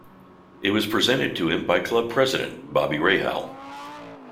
It was presented to him by club president Bobby Rahal.